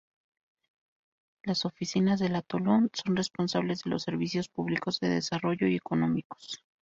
Las oficinas del atolón son responsables de los servicios públicos, de desarrollo y económicos.